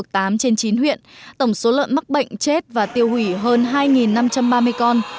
trên chín huyện tổng số lợn mắc bệnh chết và tiêu hủy hơn hai năm trăm ba mươi con